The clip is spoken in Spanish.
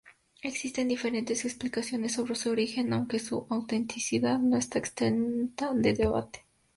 Existen diferentes explicaciones sobre su origen, aunque su autenticidad no está exenta de debate.